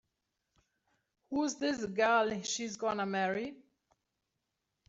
Who's this gal she's gonna marry?